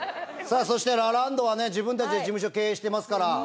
さあそしてラランドはね自分たちで事務所経営してますから。